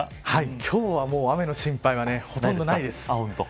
今日はもう雨の心配は、ほとんどないです。